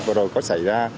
bò bò đây hả